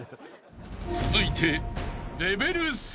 ［続いて］